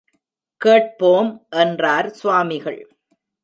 கேட்போம் என்றார் சுவாமிகள்.